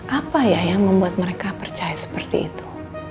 apa ya yang membuat mereka percaya seperti itu